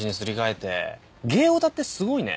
ゲーヲタってすごいね。